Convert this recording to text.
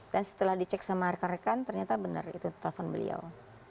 dan setelah dicek sama rekan rekan ternyata benar itu telpon beliau